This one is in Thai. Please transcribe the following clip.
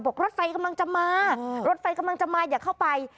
รถไฟกำลังจะมารถไฟกำลังจะมาอย่าเข้าไป